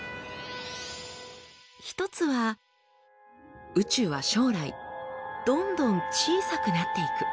一つは宇宙は将来どんどん小さくなっていく。